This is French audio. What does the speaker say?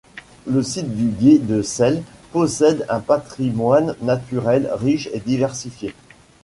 Le site du Gué de Selle possède un patrimoine naturel riche et diversifié.